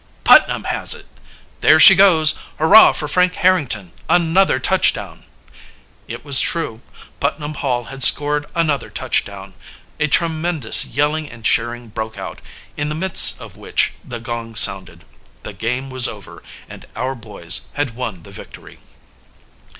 "Putnam has it!" "There she goes! Hurrah for Frank Harrington. Another touchdown!" It was true. Putnam Hall had scored another touchdown. A tremendous yelling and cheering broke out, in the midst of which the gong sounded. The game was over, and our boys had won the victory.